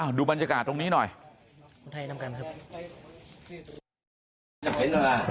อ้าวดูบรรยากาศตรงนี้หน่อยคุณไทยนำกันครับ